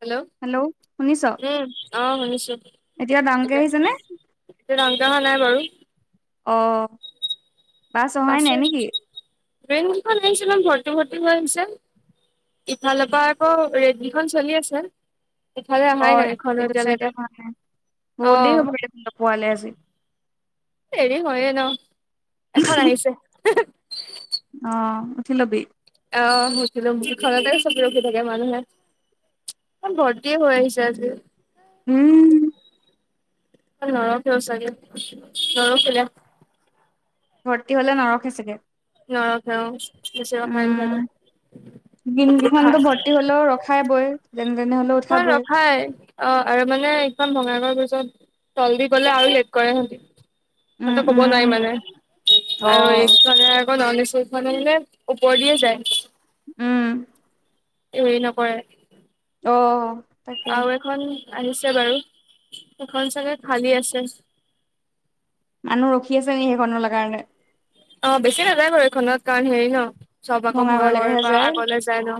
Hello. Hello, শুনিছ? উম, অ' শুনিছোঁ। এতিয়া ডাঙৰকে আহিছে নে? এতিয়া ডাঙৰকে নাই অহা বাৰু। অহ'। বাছে, ট্ৰেইনখন আহিছিল মানে ভৰ্তি ভৰ্তি হৈ আহিছে। ইফালৰ পৰা আকৌ ৰেড কিখন চলি আছে। ইফালে অহাই অ' নাই এখনো এইটো চাইডে এতিয়ালৈকে হোৱা নাই, অ বহুত দেৰি হ'ব এফালে পোৱালে আজি। দেৰি হয়ে ন, এখন আহিছে অ উঠি লবি। অ উঠি লম ঘৰতেই চব মানুহে। ভৰ্তি হৈ আহিছে আজি উম। নৰখেও চাগে নৰ খিলে। ভৰ্তি হলে নৰখে চাগে। নৰখে অ চিৱ উম খাই খো খ- খাই বৈ। যেনেকে সক- হয় ৰখাই। অ আৰু মানে এইখন ভঙাগড় ব্ৰীজৰ তল দি গলে আৰু লেট কৰে। উম সিহঁতো কব উম নোৱাৰি মানে অ আৰু এইফালে আকৌ ননিছো- মানে ওপৰ দিয়ে যায়। উম। হেৰী নকৰে। অ। তাকে আৰু এখন আহিছে বাৰু, এখন চাগে খালী আছে। মানুহ ৰখি আছে সেইখনৰ কাৰণে? অ বেছি নাযায় ঘৰ এইখনত কাৰণ হেৰি ন। চব আকৌ ভয় কৰি ভঙাগড়লৈকেহে পৰা যায় আগলে যায় ন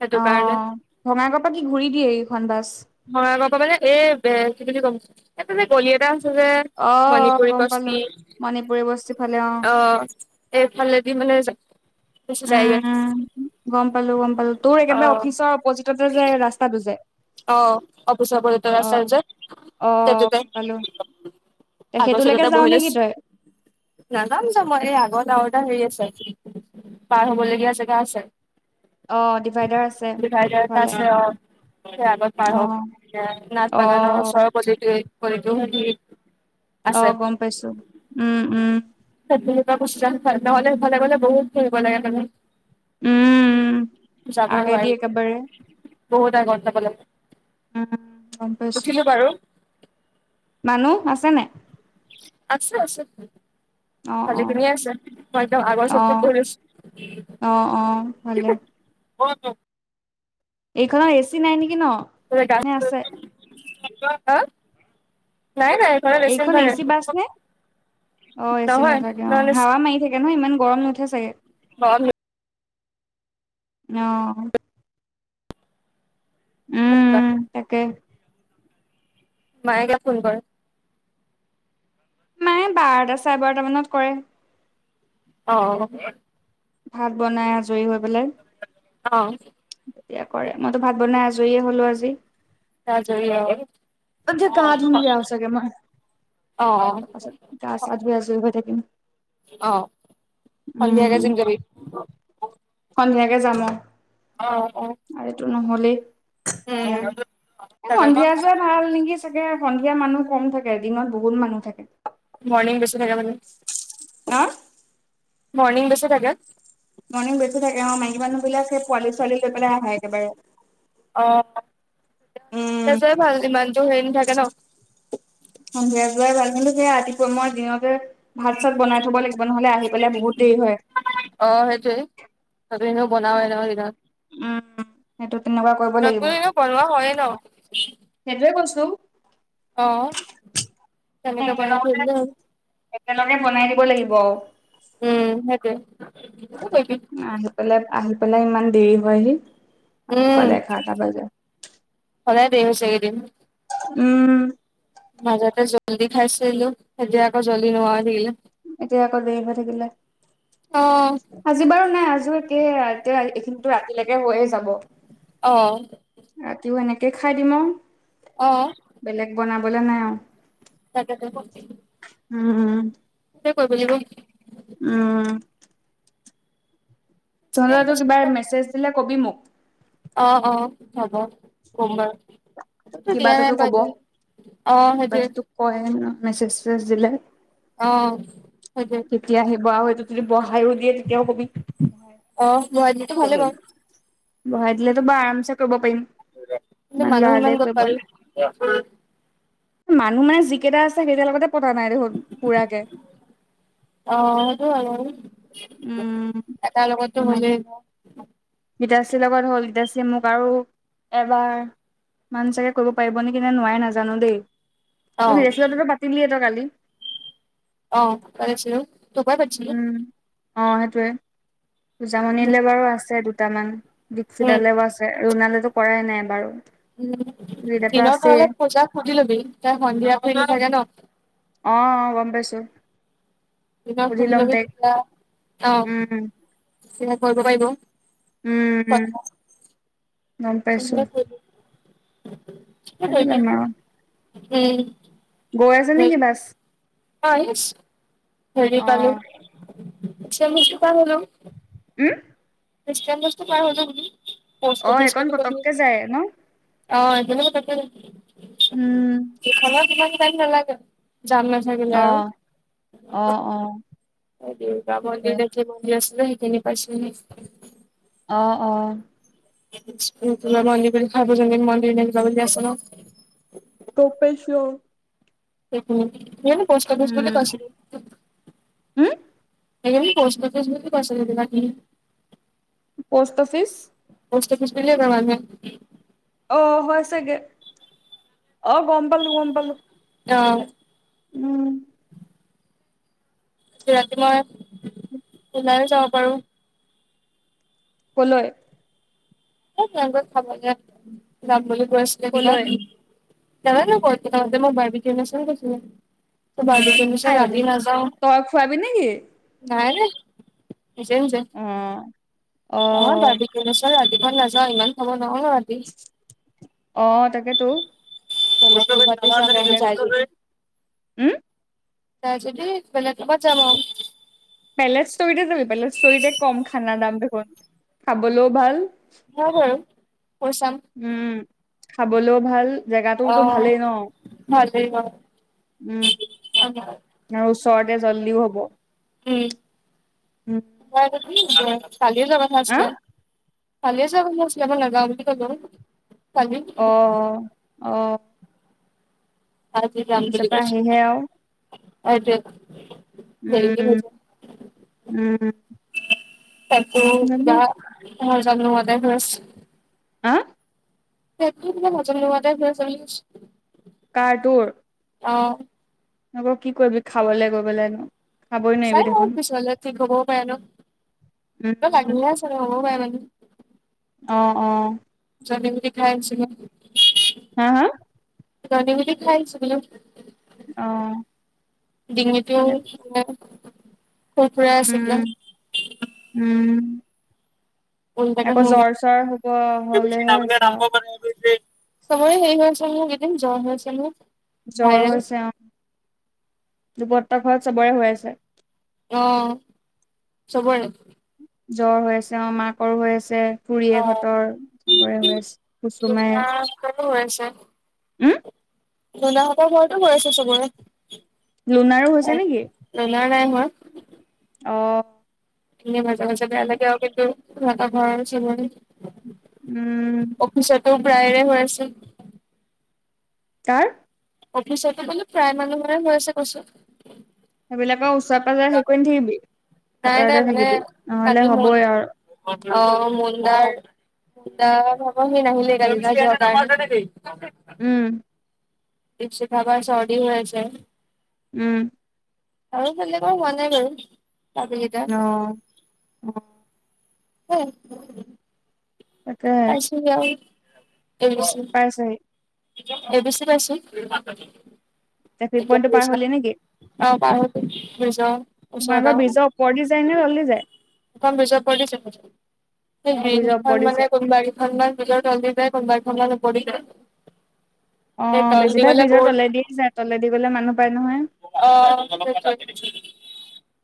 সেইটো কাৰণে। বঙাইগাঁৱৰ পৰা কি ঘূৰি দিয়ে এইখন বাছ? বঙাইগাঁও পাৰ এ এই কি বুলি ক'ম এই যে গলি এটা আছে যে- অ', মণিপুৰী গম পালো বচটি, মণিপুৰী বস্তি ফালে অ', অহ। এইফালেদি মানে- গুচি যায়গে উম উম, গম পালো গম পালো তোৰ একেবাৰে অ' অফিচৰ অপজিততে যে ৰাস্তাটো যে। অ অফিচৰ অ'। ৰাস্তাটো আছে যে অ', গম পালো সেই তোতে। তে আগৰ সেইটোলৈকে ছিটতে যাও বহি নেকি লৈছোঁ। তই নাদা আছ মই এই আগ দাওদা হেৰি আছে- পাৰ হ'বলগীয়া জেগা আছে, অ', ডিভাইডাৰ আছে। দিভাইডাৰ এটা ভালে আছে অ। সেই আগত পাৰ অ', হক, নাট বাগানৰ ওচৰ অ', পটো স- অ গম পাইছো, উম উম। সেইখিনিৰ পৰা [unintelligible] নহ'লে সেইফালে বহুত ঘূৰিব লাগে মানে। উম, যাব আগেদি নোৱাৰি, একেবাৰে বহুত আগত যাব লাগে। উম গম পাইছো। উঠিলো বাৰু মানুহ আছে নাই? আছে আছে। অ', অ', ভালেখিনিয়ে আছে মই একদম আগৰ চিতত অ', বহি লৈছো। অ অ ভালে। [unintelligible] এইখনৰ এ চি নাই নেকি ন? নে আছে? [unintelligible] হা? নাই নাই। ঘৰত ৰেচন এইখন এ থাকে। চি বাছ নে? অ এচি নহয় নাথাকে অ, নন এচি হাৱা মাৰি থাকে নহয় ইমান গৰম নুঠে চাগে? গৰম অঁ। সেইটো উম কাৰণে। উম্ তাকে। মায়ে কেতিয়া ফোন কৰে? মায়ে বাৰটা চাৰে বাৰটা মানত কৰে। অ অ। ভাত বনাই আজৰি হৈ পেলাই। অঁ। তেতিয়া কৰে, মইতো ভাত বনাই আজৰিয়ে হ'লো আজি। আজৰি অ আচ্ছা গা ধুঙগে আও চাগে মই। অ তাৰপাছত গা চা ধুই আজৰি হৈ থাকিম। সন্ধিয়া উম কে জিম যাবি? সন্ধিয়াকে যাম অঁ। অ অ। আৰু এইটো নহলেই উম এতিয়া, এই তাকে সন্ধিয়া যোৱাত ভাল নেকি চাগে? সন্ধিয়া মানুহ কম থাকে দিনত বহুত মানুহ থাকে। মৰ্ণিং বেছি থাকে মানে, ন মৰ্ণিং বেছি থাকে। মৰ্ণং বেছি থাকে অ, মাইকী মানুহবিলাক সেই পোৱালী ছোৱালী লৈ পেলাই আহে একেবাৰে। অ তেতিয়া হলে সন্ধিয়া উম যোৱাই ভাল ইমান জোৰ হেৰি নথাকে ন। সন্ধিয়া যোৱাই ভাল কিন্তু যে ৰাতিপুৱা মই দিনতে ভাত চাত বনাই থব লাগিব। ব নহলে আহি পেলাই বহুত দেৰি হয়। অ সেইটোৱে, ভাতটো এনেও বনাওৱে ন দিনত। সেইটো তেনেকুৱা কৰিব লাগিব [unintelligible] এনেও বনা হয়েই ন। সেইটোৱে কৈছো। অঁ। মানে একেলগতে একেলগে বনাই দিব লাগিব। উম সেইটোৱে কি কৰিবি আহি পেলাই আহি পেলাই ইমান দেৰি হয়হি! ভাত খোৱালে উম এঘাৰটা বাজে সদায় দেৰি হৈছে এই কেইদিন। উম। মাজতে জল্দি খাইছিলো এতিয়া আকৌ জল্দি নোহোৱা হৈ থাকিলে। এতিয়া আকৌ দেৰি হৈ থাকিলে। অ আজি বাৰু নাই আজি একে এতিয়া এইখিনিটো ৰাতিলেকে হৈয়ে যাব। অ। ৰাতিও এনেকে খাই দিম আ। অ। বেলেগ বনাবলে নাই আও। তাকে টো। উম উম। সেইটোৱে কৰিব লাগিব। উম। তহঁত তো এইবাৰ মেছেজ দিলে কবি মোক। অ অ হব কম বাৰু। খবৰটো কিবা দিয়া নাই এটাতো কব বাৰু এতিয়ালে অ কিবা সেইটোৱে এটা কয় মেছেজ চেছেজ দিলে। অ সেইটোৱে। কেতিয়া আহিব, আও হয়তো যদি বহাইও দিয়ে তেতিয়াও কবি। অ মোৰ আইডিটো ভালে বাৰু। বঢ়াই দিলেতো বা আৰামছে কৰিব পাৰিম। কিন্তু মানুহ ইমান লৰালৰি কত কৰিব পাবি? মানুহ নাই যিকেইটা আছে সেইকেটাৰ লগতে পতা নাই দেখোন পুৰাকে। অ সেইটো আৰু, উম এটাৰ লগতো হলেই - গীতাশ্ৰী লগত হ'ল, গীতাশ্ৰীয়ে মোক আৰু এবাৰ - মান চাগে কৰিব পাৰিব নেকি নে নোৱাৰে নাজানো দেই। অ গীতাশ্ৰী লগৰটো পাতিলিয়ে তই কালি। অ পাতিছিলো দুবাৰ পাতিছিলো উম অ সেইটোৱে পূজামণিলে উম বাৰু আছে দুটামান উম দীক্ষিতালেও আছে। লোণালে টো কৰাই নাই এবাৰো। উম, দিনত হলে পূজাক সুধি লবি, তাই সন্ধিয়া ফ্ৰি থাকে ন। অ অ গম পাইছো। পুজাক সুধি ল'ম লবি তাইক তেতিয়া অ উম তেতিয়া কৰিব পাৰিব। উম উম। কথা গম পাইছো পাতি ল'ম আৰু উম। গৈ আছে নেকি বাছ? হয় মিচ্ হেৰি অ পালো চেমিজ টো পাৰ হলো। উম। মিছ চেমিজ টো পাৰ হলো বোলো, অ পোষ্ট অফিচ এইকণ পালোঁহি পতককে যায় ন - অ এনেক তাতে নেকি? উম ধলা পালে ইমান টাইম নালাগে ্ যাম নাথাকিলে অ আৰু। অ। দুৰ্গা সেইটোৱে মন্দিৰ নে কি মন্দিৰ আছিলে সেইখিনি পাইছোঁহি। অ অ। ইস্পিংতোলা মন্দিৰ বুলি সাৰ্বজনীন মন্দিৰ নে কি কয় বুলি আছ ন। গম পাইছো সেইখিনি, কিয় নো পষ্ট অফিচ বুলি কৈছিলো। হম। সেইখিনি পোষ্ট অফিছ বুলি কয় চাগে জেগা খিনি। Post office. পোষ্ট অফিচ বুলিয়ে কয় মানুহে। অ হয় চাগে, অ গম পালো গম পালো। অ উম ৰাতি মই ওলাইয়ো যাব পাৰোঁ। কলৈ এ [unintelligible] খাবলে যাম বুলি কৈ আছিলে কিবা কলৈ জানানে ক'ত কিতা মই [unintelligible] আই ঐ দেহি তই খোৱাবি নেকি নাই নাই নিজে নিজে অ অ যাবি কেনেচা ৰাতিপুৱা নাযায় ইমান খাব নোৱাৰো ৰাতি অ তাকেতো বেলেগ উম [unintelligible] নাই যদি বেলেগ কবাত যাম আও বেলে ষ্টৰিতে যাবি বেলে ষ্টৰিতে কম খানাৰ দাম দেখোন খাবলো ভাল। সেয়া বাৰু কৈ চাম। উম খাবলো ভাল জেগাটোতো অ' ভালেই ন ভালেই বাৰু উম আৰু ওচৰতে জল্দিও হ'ব। উম উ তোমাৰ এটোত কি কয় কালিয়ে যোৱা কথা আহ আছিলে কালিয়ে যোৱা [unintelligible] আছিলে সেইকাৰণে নেযাওঁ বুলি কলোঁ। অ অ আজি যাম অফিচৰ বুলি পৰা কৈছিলে আহিহে আৰু এটোৱেটো উম উম যাবি [unintelligible] হা [unintelligible] কাৰ তোৰ অ নকৌ কি কৰিবি খাবলে গৈ পেলাই নো চাই লওঁ অ পিছলে ঠিক হবও পাৰে ন [unintelligible] উম হ'বও পাৰে মানে অ অ [unintelligible] খাই আছিলো হা হা [unintelligible] অ ডিঙিটোও ভালে কৰিছ। উম উম উল্টাকে আকৌ মোৰ ন জ্বৰ চৰ হ'ব হলেহে হৈছে আও চবৰে হেই হৈ আছে মোৰ এইকেদিন জ্বৰ হৈছে মোৰ জ্বৰ ভাইৰেল হৈছে অ দুপত ঘৰত চবৰে হৈ আছে। অ চবৰে জ্বৰ হৈ আছে অ মাকৰো হৈ আছে অ খুড়ীয়েক হঁতৰ চবৰে হৈ আছে কুচুমাই ফালো হৈ আছে উম লুনা হতৰ ঘৰতো হৈ আছে চবৰে। লুনাৰো হৈছে নেকি? লুনাৰ নাই হোৱা অঁ' মাজে মাজে বেয়া লাগে আও কিন্তু সিহতৰ ঘৰ চুবুৰী- উম' অফিচতো প্ৰায়েৰে হৈ আছিল। কাৰ? অফিচতো বোলো প্ৰায় মানুহয় হৈ আছে কচো সেইবিলাকৰ ওচৰে পাঁজৰে হেই কৰি নাথাকিবি নাই আঁতৰে নাই আঁতৰে থাকিবি নহলে হবই আৰু। অঁ মুন্দাৰ- অঁ ঘপা সি নাহিলেই কালি। উম' প্ৰিন্সি ভাগৰ চৰ্দি হৈ আছে। উম' আৰু বেলেকৰ হোৱা নাই বাৰু বাকিকেইটা। অ অ হুম। তাকে পাইছোংগে আও। আছেহি। এ বেছি পাইছি। ট্ৰেফিক পইন্টো পাৰ হলিয়ে নেকি। অঁ পাৰ হৈছে নিজৰ ওচৰত তোমালোকৰ আৰু। ব্ৰীজৰ ওপৰেদি যায় নে তলেদি যায় সেখন বিজৰ সেই অ ব্ৰীজৰ ব্ৰিজখন ওপৰেদি মানে যায় কোনোবা- কেইখনমান ব্ৰিজৰ তলদিগি যায় কোনোবা এখন মান ওপৰেদি যায়। সেই অঁ তলদি বেছিভাগ গ'লে বীজৰ বহুত তলেদিয়ে যায় তলে দি গলে মানুহ পায় নহয়। অঁ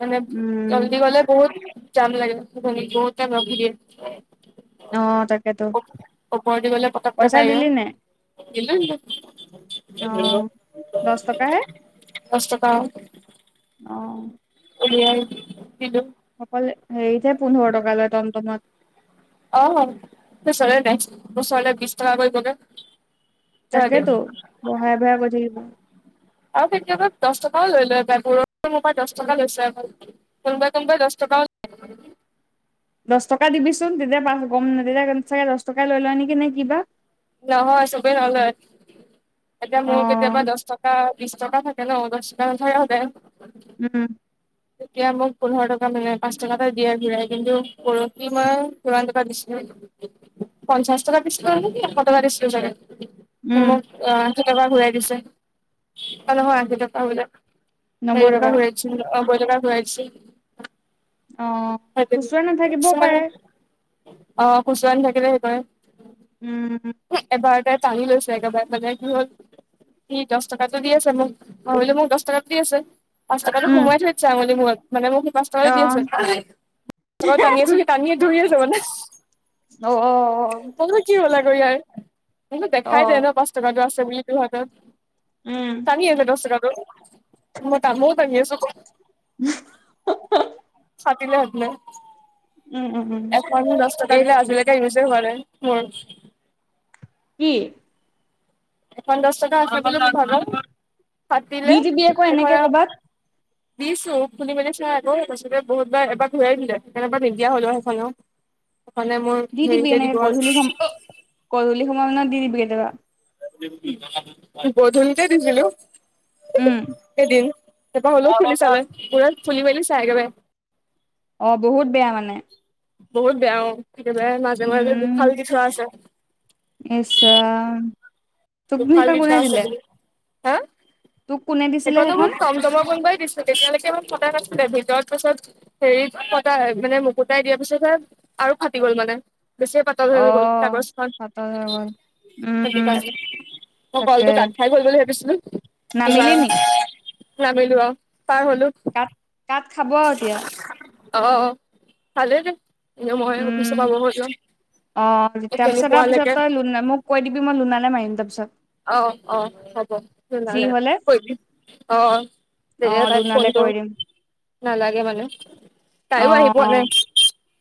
মানে উম জল্দি গলে বহুত- জাম লাগে বহুতে ৰখি দিয়ে। অ তাকেতো ওপৰেদি গ'লে পতককে পইচা পাইগে। দিলি নাই অ দহ টকাহে দচ টকা- অঁ' উলিয়াই কিলো- অকল হেৰিতে পোন্ধৰ টকা লয় টমটমত। অঁ সেই চলে নাই ওচৰলে বিশ টকা কৰিবগে। তাকেতো বহাই বহায় কৰি থাকিব। আৰু কেতিয়াবা দশ টকাও লৈ লৈ পাই পূৰবে মো পা দশ টকা লৈছে অকল। কোনবাই কোনোবাই দশ টকাও- দচ টকা দিবিচোন তেতিয়া পা গম তেতিয়া চাগে দচ টকাই লৈ লয় নেকি নে কিবা। নহয় চবে নলয়, এতিয়া অ মোৰ কেতিয়াবা দচ টকা বিশ টকা থাক- কে ন দচটকা নাথাকে সদায়। ওম' [inaudible] তেতিয়া মোক পোন্ধৰ টকা মানে পাঁচ টকা এটা দিয়াৰ ঘূৰাই কিন্তু পৰহি মই কিমান টকা দিছিলো- পঞ্চাশ টকা দিছিল নেকি এশ টকা দিছিলো জানে সি উম মোক- অঁ আশী টকা ঘূৰাই দিছে অ নহয় আশী টকা বোলে হেৰি টকা ঘূৰাই দি- অঁ বৈটকা ঘোঁৰাই দিছে। অ খুচুৰা নাথাকিবও পাৰে কিছুমানে অঁ খুছোৰা নাথাকিলে সেই কৰে- উমম' হুমহ, এবাৰতে টানি লৈছে একেবাৰে মানে কি হ'ল, সি দছ টকাতো দি আছে মোক, ভাবিলো মোক দছ টকাত দি আছে পাঁচ টকাটো উম সোমাই থৈছে আঙুলি মূৰত মানে মোক সি পাঁচ টকাটো দি আছে, টানি পাঁচ টকাও টানি আছো সি টানি ধৰি আছে মানে। অ অ অ অ। তোৰ কি হ'ল আকৌ ইয়াৰ তোনটু অ অ দেখাই দে ন পাঁচ টকাটো আছে বুলি তোৰ হাতত। উম। তাঙি আছে দছ টকাটো, মই তামো দাঙি আছো ক িলে হ ন উম উম উম এখন দ কা এই দিল আজ [unintelligible] গাই ম যে হোৱা নাই আৰু মোৰ। কি? এখন দছ টকা [unintelligible] খাত দিলে দি দিবি আকৌ সেইখন এনেকে আৰু কৰ'বাত দিছো খুুলি মেলি চ আকৌ পইচাবিলাক বহুতবাৰ এবাৰ ঘূৰাই দিলে কেনেবা নিদিয়া হলো সেইখন। সেখনে মোৰ হেৰিতে দিবৰ হুম অ গধূলি সময়মানত দি দিবি কেতিয়াবা। গধূলিতে দিছিলো, উম, এদিন। তাৰপা হ'লেও ফুলি চাব গুৰত ফুলি মেলি চাইগেৱে। অ বহুত বেয়া মানে। বহুত বেয়াও, কেতিয়াবালে মাজে - মাজে দুফাল কি থোৱা আছে। ইচৰাম! তুকনো দুফাল দি সিখন থোৱা কোনে আছে দিলে? বুলি হা! তোক কোনে দিছিলে সেইখনো সেইখন? মোক কম দমৰ বন গই দিছ তেতিয়ালৈকে মই কথা নাছিলে ভিতৰত পাছত হেৰিত কটাই মানে মুকুটাই দিয়া পিছত যে আৰু ফাটি গল মানে। বেছি পাতল অ' হৈ গ'ল কাগজখন ফাটা হৈ গ'ল। সেইটো উম, কাৰণে। মই তাকে কলটো কাত খাই গল বুলি ভাবিছিলো, কিবা নামিলি নি? নাবিলো অ পাৰ হলো। কাট - কাট খাব আৰু এতিয়া। অ, ভালে দে। এনে মই অফিচো উম, পাব হৈছোঁ, অ কেনে তাৰপিছত তাৰপিছত পুৱালৈকে। তই লোনা মোক কৈ দিবি মই লোনানে মাহিন তাৰ পিছত অ অ, হ'ব লোনালে হ'লে কৈ দিম অ। তেতিয়া অ' তাইক লোনালে ফোনটো, কৰি দিম নালাগে মানে তাইও আহি পোৱা নাই। অ'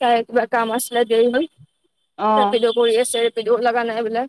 তাই কিবা কাম আছিলে দেৰি হল, অ' অ'। ৰেপিড' কৰি আছে ৰেপিড' লগা নাই বোলে।